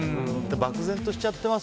漠然としちゃってます。